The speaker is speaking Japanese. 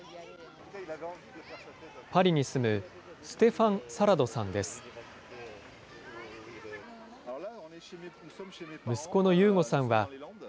パリに住むステファン・サラドさんです。